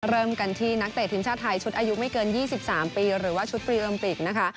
เริ่มกันที่นักเตะทีมชาติไทยชุดอายุไม่เกิน๒๓ปีหรือว่าชุดปรีโอลิมปิกนะคะ